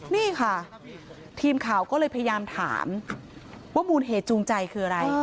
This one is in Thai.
นี่ค่ะทีมข่าวก็เลยพยายามถามว่ามูลเหตุจูงใจคืออะไร